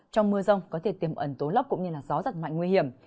trong mưa rông có thể tiềm ẩn tố lốc cũng như gió giật mạnh nguy hiểm